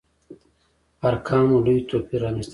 ارقامو لوی توپير رامنځته کوي.